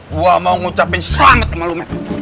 gua mau ngucapin selamat sama lu men